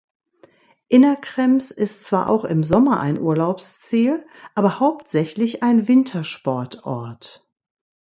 Innerkrems ist zwar auch im Sommer ein Urlaubsziel, aber hauptsächlich ein Wintersportort.